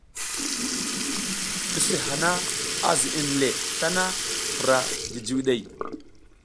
Use hana a ziʼinle tana, pura jijiwiɗey.